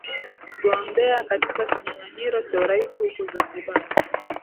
gombea katika kinyanganyiro cha urais huku zanzibar